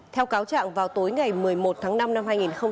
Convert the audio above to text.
theo cáo trạng vào tối ngày một mươi một tháng năm năm hai nghìn hai mươi